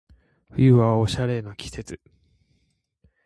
冬はおしゃれの季節